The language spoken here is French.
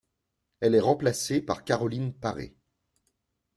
Elle est remplacée par Caroline Paré.